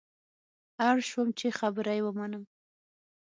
اړ شوم چې خبره یې ومنم.